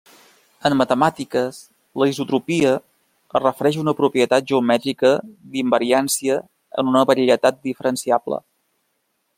En matemàtiques, la isotropia es refereix a una propietat geomètrica d'invariància en una varietat diferenciable.